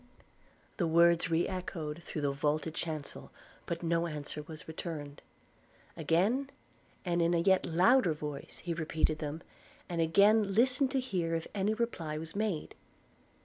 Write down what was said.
The words re echoed though the vaulted chancel, but no answer was returned: again, and in a yet louder voice, he repeated them, an again listened to hear if any reply was made.